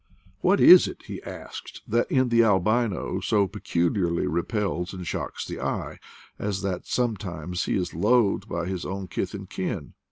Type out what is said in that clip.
What is it, he asks, that in the albino so peculiarly repels and shocks the eye, as that sometimes he is loathed by his own kith and kin!